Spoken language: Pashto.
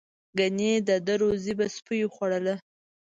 گني د ده روزي به سپیو خوړله.